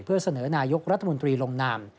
เพื่อเสนอนายกรัฐมนตรีลงนาม